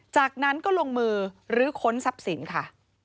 จากนั้นก็ลงมือลื้อค้นทรัพย์สินค่ะ